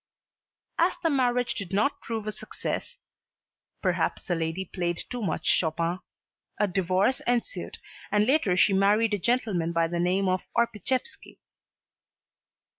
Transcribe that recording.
As the marriage did not prove a success perhaps the lady played too much Chopin a divorce ensued and later she married a gentleman by the name of Orpiszewski.